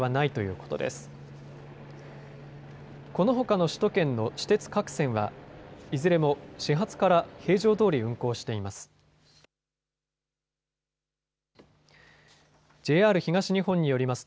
このほかの首都圏の私鉄各線はいずれも始発から平常どおり運行しています。